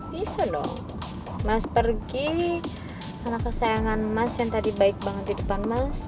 bisa loh mas pergi karena kesayangan mas yang tadi baik banget di depan mas